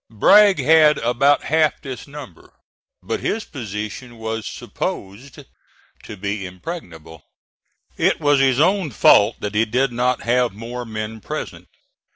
Bragg had about half this number, but his position was supposed to be impregnable. It was his own fault that he did not have more men present.